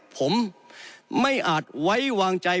ผมไม่อาจไว้วางใจ